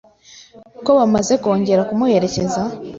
ko bamaze kongera kumuherekeza